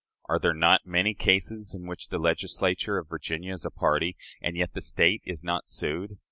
Are there not many cases, in which the Legislature of Virginia is a party, and yet the State is not sued?